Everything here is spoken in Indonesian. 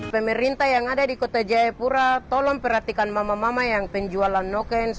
pemerintah yang ada di kota jayapura tolong perhatikan mama mama yang penjualan nokens